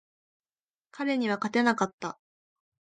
彼には勝てなかった。